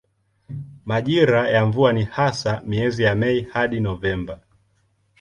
Majira ya mvua ni hasa miezi ya Mei hadi Novemba.